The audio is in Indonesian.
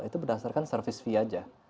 itu berdasarkan service fee aja